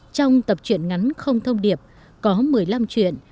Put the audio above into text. trong tập chuyện ngắn không thông điệp có một mươi năm chuyện